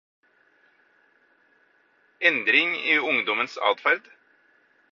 Endring i ungdommens atferd